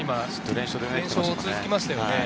連勝が続きましたよね。